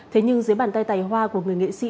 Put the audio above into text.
thế nhưng dưới bàn tay tài hoa của người nghệ sĩ